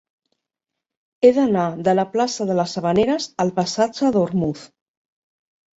He d'anar de la plaça de les Havaneres al passatge d'Ormuz.